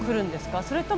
それとも。